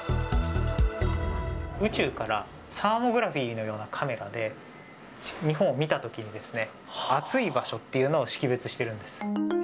宇宙からサーモグラフィーのようなカメラで日本を見たときにですね、暑い場所っていうのを識別してるんです。